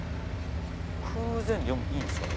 空禅で読んでいいんですかね？